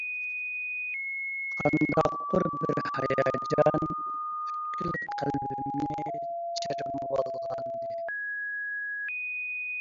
قانداقتۇر بىر ھاياجان پۈتكۈل قەلبىمنى چىرمىۋالغانىدى.